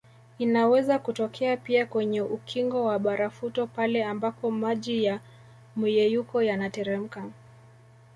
Inaweza kutokea pia kwenye ukingo wa barafuto pale ambako maji ya myeyuko yanateremka